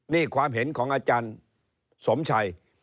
นี่ความเห็นของอาจารย์สมชัย